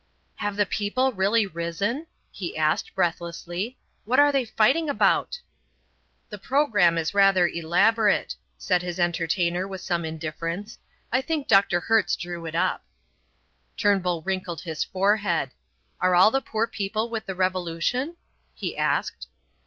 "Have the people really risen?" he asked, breathlessly. "What are they fighting about?" "The programme is rather elaborate," said his entertainer with some indifference. "I think Dr. Hertz drew it up." Turnbull wrinkled his forehead. "Are all the poor people with the Revolution?" he asked.